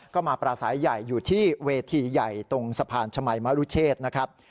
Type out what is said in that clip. ก็มาปราศัยใหญ่อยู่ที่เวทีใหญ่ตรงสะพานชมัยมรุเชษนะครับ